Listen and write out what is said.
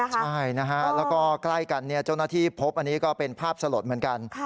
ใช่นะฮะแล้วก็ใกล้กันเจ้าหน้าที่พบอันนี้ก็เป็นภาพสลดเหมือนกัน